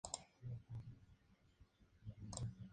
Tuvo como discípulo al vallisoletano Ignacio de Prado.